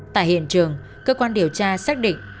tại hiện trường cơ quan điều tra xác định